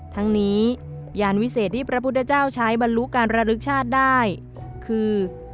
ทั้งนี้ยานวิเศษที่พระพุทธเจ้าใช้บรรลุการระลึกชาติได้คือ